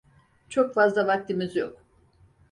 Çok fazla vaktimiz yok.